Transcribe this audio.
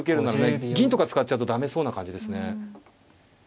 銀とか使っちゃうと駄目そうな感じですね。